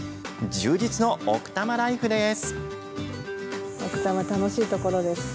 充実の奥多摩ライフです。